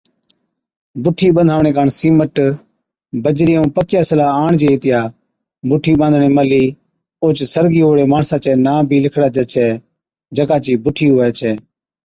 بُٺِي ٻنڌاوَڻي ڪاڻ سِيمٽ، بجرِي ائُون پڪِيا سِلھا آڻجي ھِتيا، بُٺِي ٻانڌڻي مھلِي اوھچ سرگِي ھئُوڙي ماڻسا چَي نان بِي لِکڙاجي ڇَي، جڪا چِي بُٺِي ھُوَي ڇَي